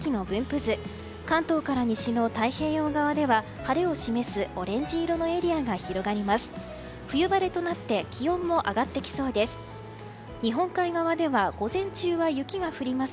図関東から西の太平洋側では晴れを示すオレンジ色のエリアが広がります。